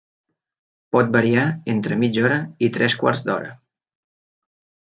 Pot variar entre mitja hora i tres quarts d'hora.